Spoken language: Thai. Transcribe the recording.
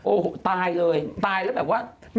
โอ้โหตายเลยตายแล้วแบบว่า